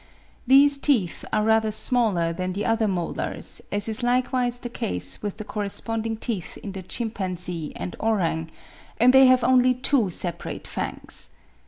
These teeth are rather smaller than the other molars, as is likewise the case with the corresponding teeth in the chimpanzee and orang; and they have only two separate fangs.